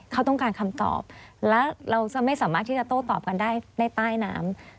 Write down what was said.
เขาต้องการคำตอบแล้วเราจะไม่สามารถที่จะโต้ตอบกันได้ใต้น้ำ